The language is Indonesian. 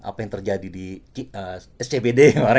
apa yang terjadi di scbd kemarin